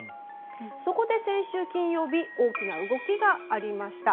そこで先週金曜日大きな動きがありました。